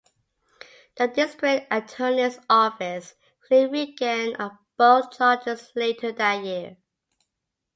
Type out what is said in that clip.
The district attorney's office cleared Reagan of both charges later that year.